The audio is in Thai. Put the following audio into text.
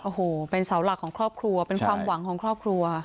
โอ้โหเป็นเสาหลักของครอบครัวเป็นความหวังของครอบครัว